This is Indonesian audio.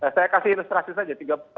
saya kasih ilustrasi saja